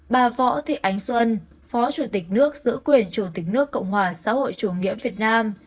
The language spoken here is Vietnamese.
bà võ thị ánh xuân phó chủ tịch nước giữ quyền chủ tịch nước cộng hòa xã hội chủ nghĩa việt nam